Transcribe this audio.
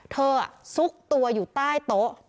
ซุกตัวอยู่ใต้โต๊ะ